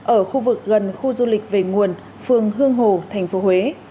ở khu vực gần khu du lịch về nguồn phường hương hồ tp huế